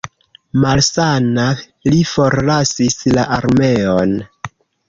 Malsana, li forlasis la armeon.